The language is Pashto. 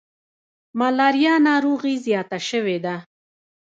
ملاریا ناروغي زیاته شوي ده.